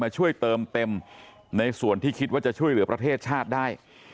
ช่วยเติมเต็มในส่วนที่คิดว่าจะช่วยเหลือประเทศชาติได้